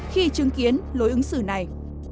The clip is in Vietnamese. khi chứng kiến lối ứng xử này